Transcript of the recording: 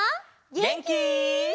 げんき？